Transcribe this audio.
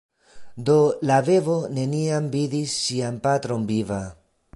Do la bebo neniam vidis sian patron viva.